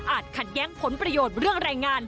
ขัดแย้งผลประโยชน์เรื่องแรงงาน